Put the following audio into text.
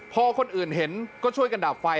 พอคนอื่นเห็นก็ช่วยกันดับไฟ